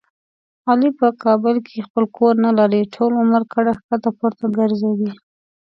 علي په کابل کې خپل کور نه لري. ټول عمر کډه ښکته پورته ګرځوي.